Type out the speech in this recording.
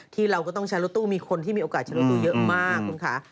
ที่เราก็ต้องใช้รถตู้มีคนที่มีโอกาสใช้รถตู้เยอะมากคุณค่ะ